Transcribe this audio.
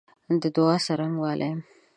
د دعا څرنګوالی